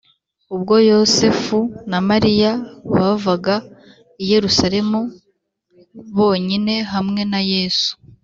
Ubwo Yosefu na Mariya bavaga i Yerusalemu bonyine hamwe na Yesu,